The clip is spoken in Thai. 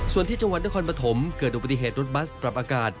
ส่วนที่จังหวัดนครปฐมเกิดอุบัติเหตุรถบัสปรับอากาศ